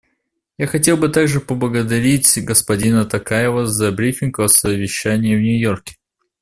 Я хотел бы также поблагодарить господина Токаева за брифинг о совещании в Нью-Йорке.